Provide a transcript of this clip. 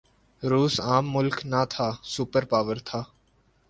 روس عام ملک نہ تھا، سپر پاور تھا۔